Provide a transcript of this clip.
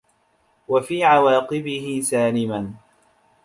وَفِي عَوَاقِبِهِ سَالِمًا